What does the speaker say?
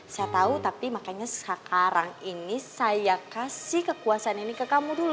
saya tahu tapi makanya sekarang ini saya kasih kekuasaan ini ke kamu dulu